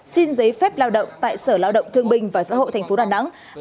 xin giấy phép lao động tại sở lao động thương bình và xã hội tp đà nẵng